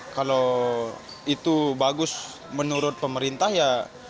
kalau itu bagus menurut pemerintah ya